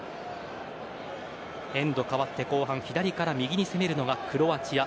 エンドが変わって、後半左から右に攻めるのがクロアチア。